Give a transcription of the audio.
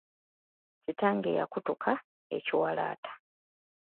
Kitange yakutuka ekiwalaata.